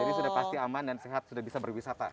jadi sudah pasti aman dan sehat sudah bisa berwisata